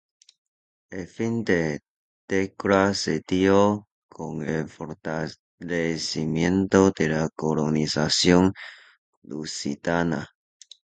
El fin de la tregua se dio con el fortalecimiento de la colonización lusitana.